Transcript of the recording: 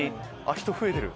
人増えてる！